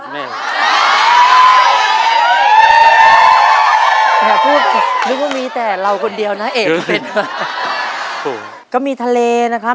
อย่าพูดนึกว่ามีแต่เราคนเดียวนะเอกเป็นถูกก็มีทะเลนะคะ